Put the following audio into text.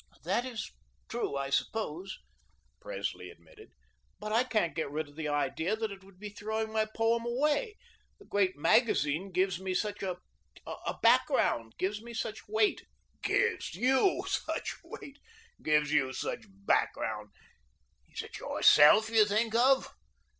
"That is true, I suppose," Presley admitted, "but I can't get rid of the idea that it would be throwing my poem away. The great magazine gives me such a background; gives me such weight." "Gives YOU such weight, gives you such background. Is it YOURSELF you think of?